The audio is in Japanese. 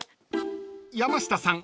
［山下さん